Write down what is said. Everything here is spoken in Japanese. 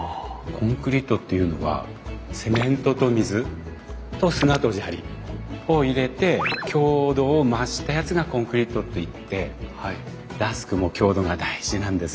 コンクリートっていうのはセメントと水と砂と砂利を入れて強度を増したやつがコンクリートっていってラスクも強度が大事なんです。